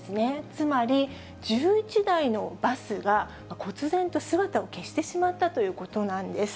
つまり１１台のバスが、こつ然と姿を消してしまったということなんです。